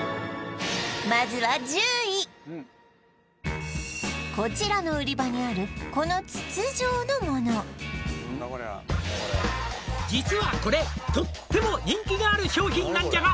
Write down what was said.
まずはこちらの売り場にある「実はこれとっても人気がある商品なんじゃが」